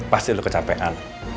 pasti lo kecapean